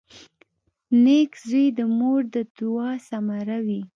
• نېک زوی د مور د دعا ثمره وي.